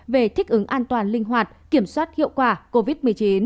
về thích ứng an toàn linh hoạt kiểm soát hiệu quả covid một mươi chín